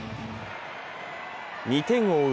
２点を追う